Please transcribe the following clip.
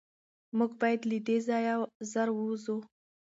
موږ باید له دې ځایه زر ووځو.